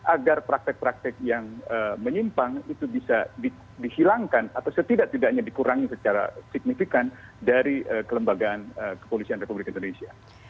agar praktek praktek yang menyimpang itu bisa dihilangkan atau setidak tidaknya dikurangi secara signifikan dari kelembagaan kepolisian republik indonesia